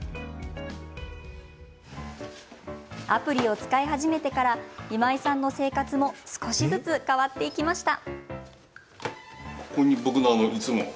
アプリを使い始めてから今井さんの生活も少しずつ変わっていきました。